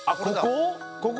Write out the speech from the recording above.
ここ？